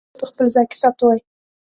هر سند باید په خپل ځای کې ثبت وای.